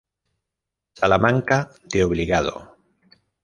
Salamanca de Obligado.